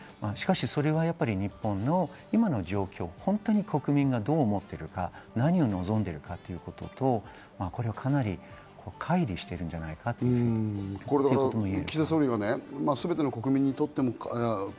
しかしそれは日本の今の状況、ホントに国民がどう思ってるか、何を望んでいるかということと、かなり、かい離してるんじゃないかと思います。